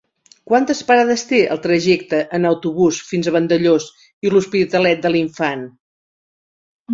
Quantes parades té el trajecte en autobús fins a Vandellòs i l'Hospitalet de l'Infant?